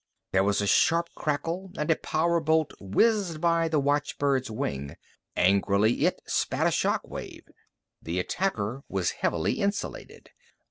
There was a sharp crackle and a power bolt whizzed by the watchbird's wing. Angrily, it spat a shock wave. The attacker was heavily insulated.